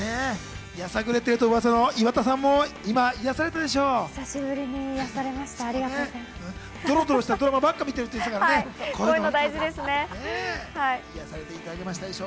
やさぐれてると噂の岩田さんも今、癒やされたでしょう？